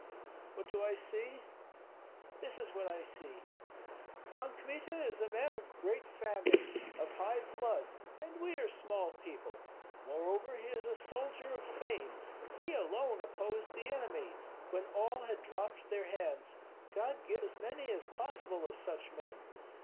"What do I see? This is what I see: Pan Kmita is a man of great family, of high blood, and we are small people. Moreover he is a soldier of fame; he alone opposed the enemy when all had dropped their hands, God give as many as possible of such men!